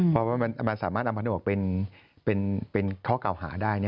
พอมันสามารถนำพันธุ์ออกเป็นข้อเก่าหาได้